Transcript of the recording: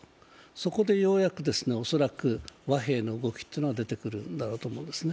そこでようやくおそらく和平の動きというのが出てくるんだろうと思いますね。